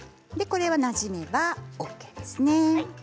これは、なじめばＯＫですね。